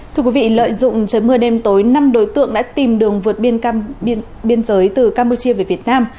thưa quý vị lợi dụng trời mưa đêm tối năm đối tượng đã tìm đường vượt biên giới từ campuchia về việt nam